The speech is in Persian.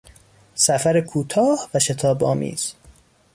سفر کوتاه و شتابآمیز